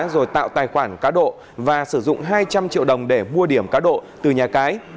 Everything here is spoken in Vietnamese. rồi tạo tài khoản cá độ và sử dụng hai trăm linh triệu đồng để mua điểm cá độ từ nhà cái